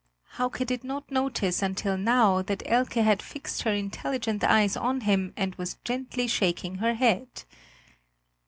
Hauke did not notice until now that Elke had fixed her intelligent eyes on him and was gently shaking her head.